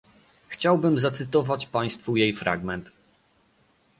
Chciałbym zacytować państwu jej fragment